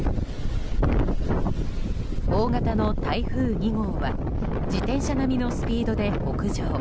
大型の台風２号は自転車並みのスピードで北上。